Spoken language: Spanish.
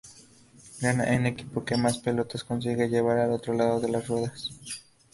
Gana en equipo que más pelotas consiga llevar al otro lado de las ruedas.